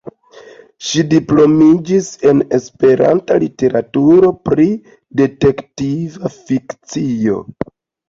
Ŝi diplomiĝis en esperanta literaturo pri detektiv-fikcio.